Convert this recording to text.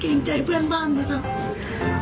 กลิ่งใจเพื่อนบ้างนะครับ